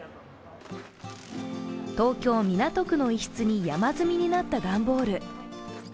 東京・港区の一室に山積みになった段ボール。